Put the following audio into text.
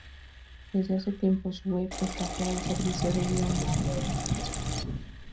Desde hace tiempo su web está fuera de servicio debido a una reorganización masiva.